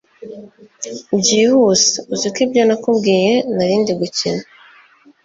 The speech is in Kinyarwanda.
byihuse uziko ibyo nakubwiye narindigukina